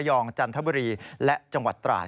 องจันทบุรีและจังหวัดตราด